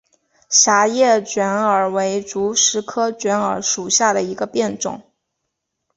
狭叶卷耳为石竹科卷耳属下的一个变种。